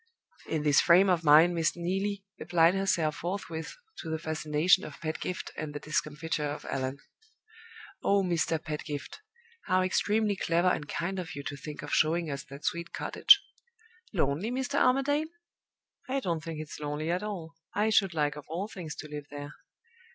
In this frame of mind Miss Neelie applied herself forthwith to the fascination of Pedgift and the discomfiture of Allan. "Oh, Mr. Pedgift, how extremely clever and kind of you to think of showing us that sweet cottage! Lonely, Mr. Armadale? I don't think it's lonely at all; I should like of all things to live there.